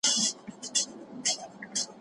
دا شورا به نړيوال تړونونه تاييد کړي.